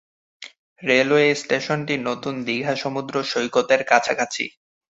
Railway স্টেশনটি নতুন দীঘা সমুদ্র সৈকতের কাছাকাছি।